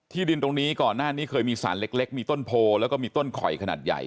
ดินตรงนี้ก่อนหน้านี้เคยมีสารเล็กมีต้นโพแล้วก็มีต้นข่อยขนาดใหญ่